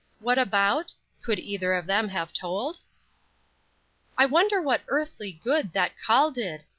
What about? Could either of them have told? "I wonder what earthly good that call did?"